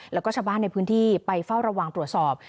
แล้วก็ชาวบ้านในพื้นที่ไปเฝ้าระวังตรวจสอบ